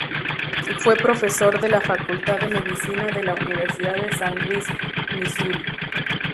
Fue profesor de la Facultad de Medicina de la Universidad de San Luis, Misuri.